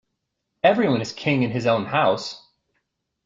Everyone is king in his own house.